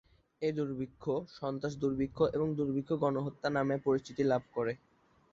এই দুর্ভিক্ষ "সন্ত্রাস-দুর্ভিক্ষ" এবং "দুর্ভিক্ষ-গণহত্য" নামেও পরিচিতি লাভ করে।